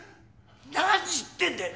何言ってんだよ！